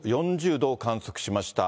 ４０度を観測しました。